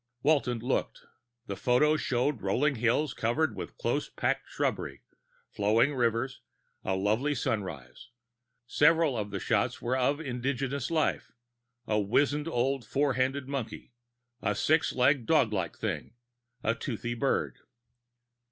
Walton looked. The photos showed rolling hills covered with close packed shrubbery, flowing rivers, a lovely sunrise. Several of the shots were of indigenous life a wizened little four handed monkey, a six legged doglike thing, a toothy bird.